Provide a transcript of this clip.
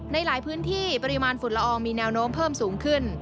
ในหลายพื้นที่ปริมาณฝุ่นละอองมีแนวโน้มเพิ่มสูงขึ้น